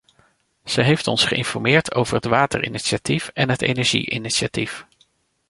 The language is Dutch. Ze heeft ons geïnformeerd over het waterinitiatief en het energie-initiatief.